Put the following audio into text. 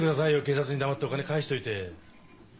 警察に黙ってお金返しといて。